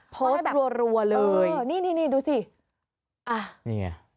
โพสต์รัวเลยนะฮะนี่ดูสินี่ไง